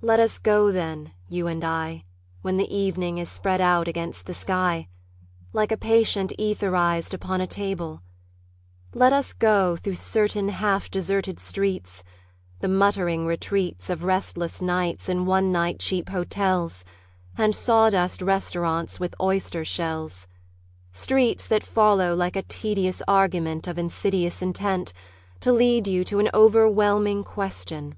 Let us go then, you and I, When the evening is spread out against the sky Like a patient etherized upon a table; Let us go, through certain half deserted streets, The muttering retreats Of restless nights in one night cheap hotels And sawdust restaurants with oyster shells: Streets that follow like a tedious argument Of insidious intent To lead you to an overwhelming question....